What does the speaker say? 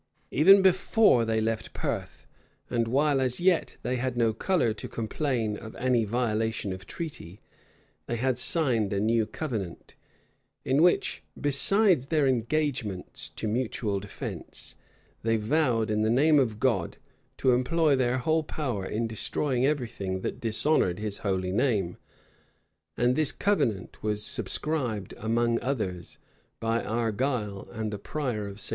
Even before they left Perth, and while as yet they had no color to complain of any violation of treaty, they had signed a new covenant, in which, besides their engagements to mutual defence, they vowed, in the name of God, to employ their whole power in destroying every thing that dishonored his holy name; and this covenant was subscribed, among others, by Argyle and the prior of St. Andrew's.